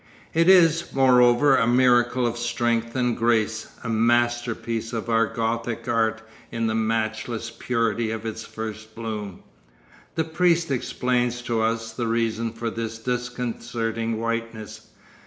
It is, moreover, a miracle of strength and grace, a masterpiece of our Gothic Art in the matchless purity of its first bloom. The priest explains to us the reason for this disconcerting whiteness.